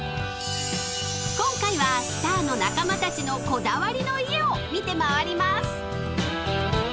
［今回はスターの仲間たちのこだわりの家を見て回ります］